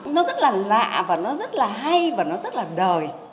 nó rất là lạ và nó rất là hay và nó rất là đời